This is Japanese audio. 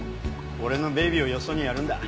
俺のベイビーをよそにやるんだ。